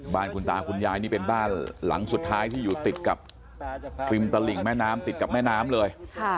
บ้านคุณตาคุณยายนี่เป็นบ้านหลังสุดท้ายที่อยู่ติดกับริมตลิ่งแม่น้ำติดกับแม่น้ำเลย